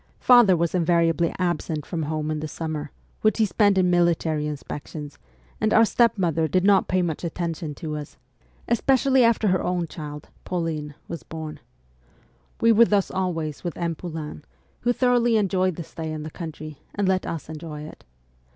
Father was in variably absent from home in the summer, which he spent in military inspections, and our stepmother did not pay much attention to us, especially after her own E 2 52 MEMOIRS OF A REVOLUTIONIST child, Pauline, was born. We were thus always with M. Poulain, who thoroughly enjoyed the stay in the country, and let us enjoy it.